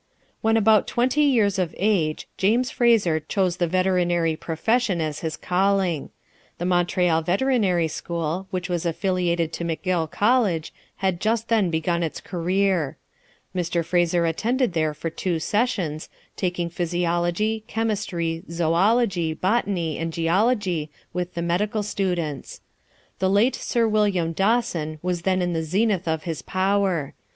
When about twenty years of age, James Fraser chose the veterinary profession as his calling. The Montreal Veterinary School, which was affiliated to McGill College, had just then begun its career. Mr. Fraser attended there for two sessions, taking physiology, chemistry, zoology, botany and geology with the medical students. The late Sir William Dawson was then in the zenith of his power. Mr.